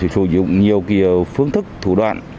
sử dụng nhiều kiểu phương thức thủ đoạn